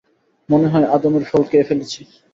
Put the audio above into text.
মনে হয় আদমের ফল খেয়ে ফেলেছি।